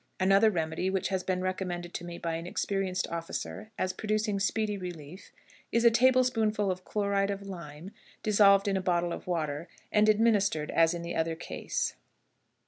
Another remedy, which has been recommended to me by an experienced officer as producing speedy relief, is a table spoonful of chloride of lime dissolved in a bottle of water, and administered as in the other case.